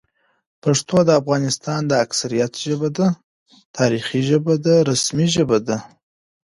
پښتو د افغانستان د اکثریت ژبه ده، تاریخي ژبه ده، رسمي ژبه ده